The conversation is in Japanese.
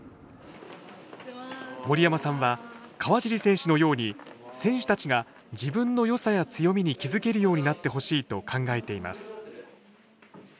森山さんは川尻選手のように選手たちが自分のよさや強みに気付けるようになってほしいと考えています。